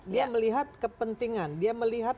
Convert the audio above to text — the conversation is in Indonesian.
dia melihat kepentingan dia melihat